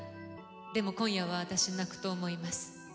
でも今夜はあたし泣くと思います。